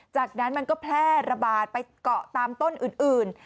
จากนั้นมันก็แพร่ระบาดไปเกาะตามต้นอื่น